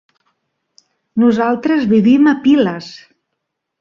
Nosaltres vivim a Piles.